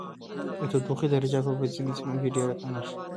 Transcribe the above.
د تودوخې درجه به په ځینو سیمو کې ډیره کمه شي.